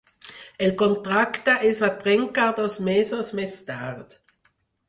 El contracte es va trencar dos mesos més tard.